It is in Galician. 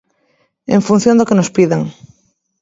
En función do que nos pidan.